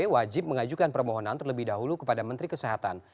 wajib mengajukan permohonan terlebih dahulu kepada menteri kesehatan